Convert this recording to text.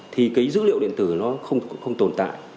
thì cái dữ liệu điện tử nó không tồn tại